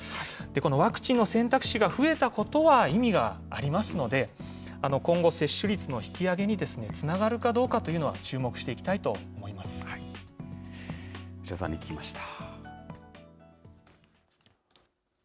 このワクチンの選択肢が増えたことは意味がありますので、今後、接種率の引き上げにつながるかどうかというのは注目していきたい牛田さんに聞きました。